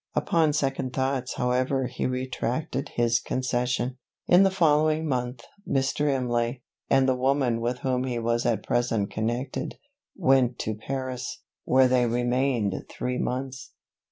Upon second thoughts however he retracted his concession. In the following month, Mr. Imlay, and the woman with whom he was at present connected, went to Paris, where they remained three months.